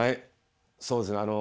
そうですね